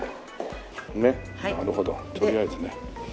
ねえなるほどとりあえずね。